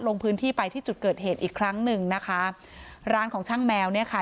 ลงพื้นที่ไปที่จุดเกิดเหตุอีกครั้งหนึ่งนะคะร้านของช่างแมวเนี่ยค่ะ